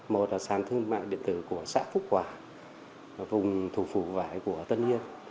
một là sản thương mạnh điện tử của xã phúc quả vùng thủ phủ vải của tân yên